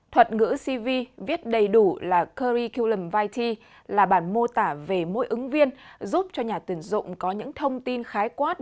thuật ngữ cv viết đầy đủ là kury kulomvity là bản mô tả về mỗi ứng viên giúp cho nhà tuyển dụng có những thông tin khái quát